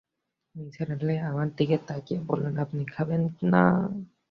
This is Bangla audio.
নিসার আলি আমার দিকে তাকিয়ে বললেন, আপনি খবেন না?